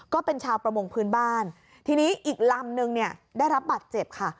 ก็เป็นชาวประมงพื้นบ้านทีนี้อีกลำนึงเนี่ยได้รับบัตรเจ็บค่ะ